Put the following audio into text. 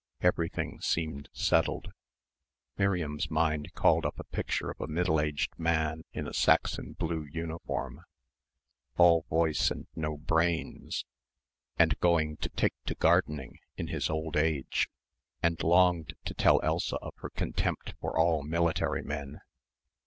Everything seemed settled. Miriam's mind called up a picture of a middle aged man in a Saxon blue uniform all voice and no brains and going to take to gardening in his old age and longed to tell Elsa of her contempt for all military men.